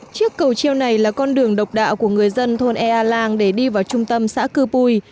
chiếc cầu treo này là con đường độc đạo của người dân thôn ea lang để đi vào trung tâm xã cư pui